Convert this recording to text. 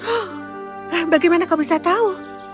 oh bagaimana kau bisa tahu